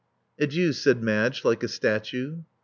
*' Adieu," said Madge, like a statue.